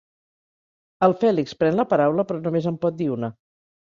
El Fèlix pren la paraula, però només en pot dir una.